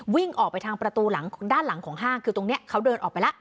วิ่งออกไปทางประตูหลังด้านหลังของห้างคือตรงนี้เขาเดินออกไปแล้ว